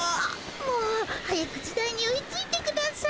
もう早く時代に追いついてください。